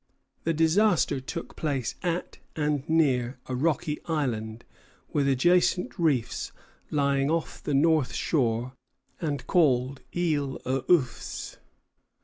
The disaster took place at and near a rocky island, with adjacent reefs, lying off the north shore and called Isle aux Oeufs.